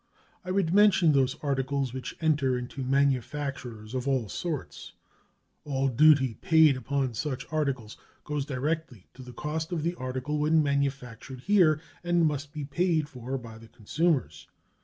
I would mention those articles which enter into manufactures of all sorts. All duty paid upon such articles goes directly to the cost of the article when manufactured here, and must be paid for by the consumers.